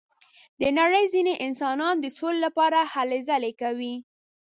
د نړۍ ځینې انسانان د سولې لپاره هلې ځلې کوي.